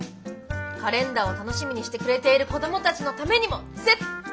カレンダーを楽しみにしてくれている子どもたちのためにも絶対！